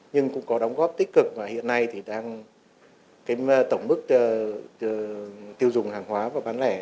nhưng cũng có đóng góp tích cực và hiện nay thì đang tổng mức tiêu dùng hàng hóa và bán lẻ